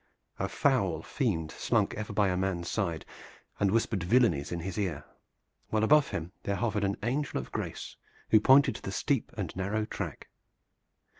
A foul fiend slunk ever by a man's side and whispered villainies in his ear, while above him there hovered an angel of grace who pointed to the steep and narrow track.